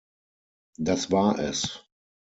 Das war es.